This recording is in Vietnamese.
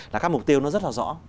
là các mục tiêu nó rất là rõ